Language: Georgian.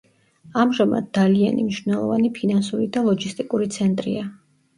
ამჟამად დალიანი მნიშვნელოვანი ფინანსური და ლოჯისტიკური ცენტრია.